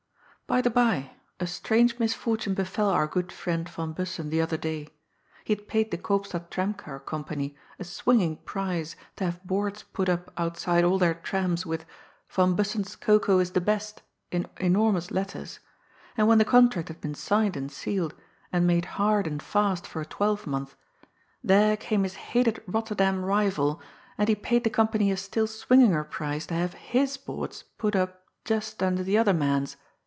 By the bye, a strange misfortune befell our good friend Van Bussen the other day. He had paid the Koopstad Tramcar company a swinging price to have boards put up outside all their trams with "Van Bussen's Cocoa is the best " in enormous letters. And when the contract had been signed and sealed, and made hard and fast for a twelve month, there came his hated Botterdam rival, and he paid COUSIN COCOA. 63 fhe company a BtQl swinginger price to bave his boards put up just nnder the other man's.